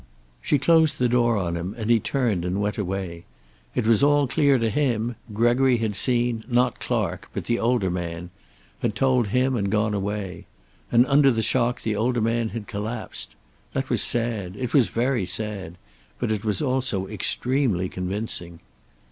She closed the door on him, and he turned and went away. It was all clear to him; Gregory had seen, not Clark, but the older man; had told him and gone away. And under the shock the older man had collapsed. That was sad. It was very sad. But it was also extremely convincing.